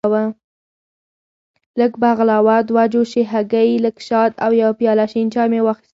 لږه بغلاوه، دوه جوشې هګۍ، لږ شات او یو پیاله شین چای مې واخیستل.